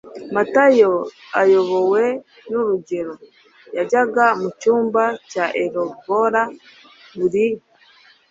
matayo ayobowe nurugero. yajyaga mu cyumba cya ebola buri